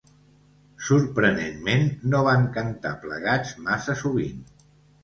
Sorprenentment, no van cantar plegats massa sovint.